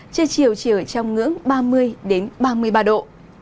trưa chiều chỉ ở trong ngưỡng ba mươi ba mươi ba độ